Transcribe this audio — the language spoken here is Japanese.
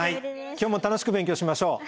今日も楽しく勉強しましょう。